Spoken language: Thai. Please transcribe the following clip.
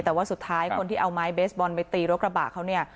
แต่ว่าสุดท้ายคนที่เอาไม้เบสบอลไปตีรถกระบะเขาเนี่ย